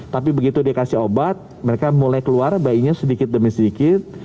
tapi begitu dikasih obat mereka mulai keluar bayinya sedikit demi sedikit